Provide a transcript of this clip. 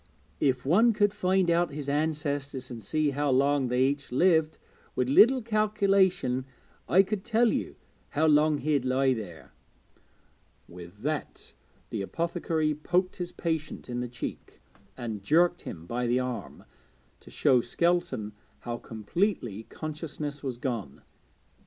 If one could find out his ancestors and see how long they each lived, with a little calculation I could tell you how long he'd lie there.' With that the apothecary poked his patient in the cheek, and jerked him by the arm, to show Skelton how completely consciousness was gone.